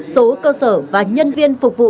số cơ sở và nhân viên phục vụ